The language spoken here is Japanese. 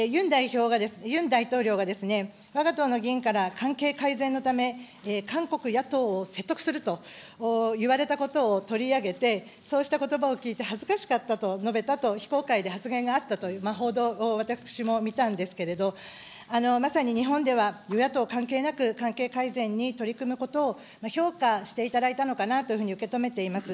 ユン大統領がわが党の議員から関係改善のため、韓国野党を説得すると言われたことを取り上げて、そうしたことばを聞いて、恥ずかしかったと述べたと、非公開で発言があったという報道を私も見たんですけど、まさに日本では、与野党関係なく、関係改善に取り組むことを評価していただいたのかなというふうに受け止めています。